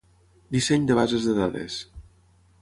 Disseny de bases de dades.